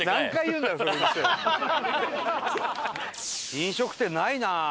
飲食店ないな！